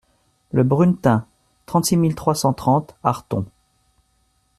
Le Brunetin, trente-six mille trois cent trente Arthon